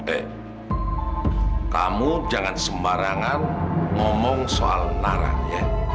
eh kamu jangan sembarangan ngomong soal naran ya